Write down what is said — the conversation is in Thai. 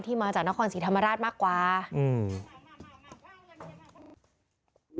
มาจากนครศรีธรรมราชมากกว่าอืม